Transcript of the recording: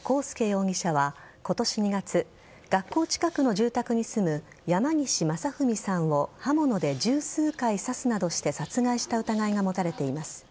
容疑者は今年２月、学校近くの住宅に住む山岸正文さんを刃物で十数回刺すなどして殺害した疑いが持たれています。